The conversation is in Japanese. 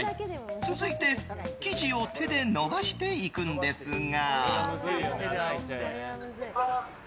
続いて生地を手で延ばしていくんですが。